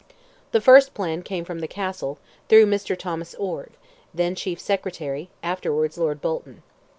The first plan came from the Castle, through Mr. Thomas Orde, then Chief Secretary, afterwards Lord Bolton.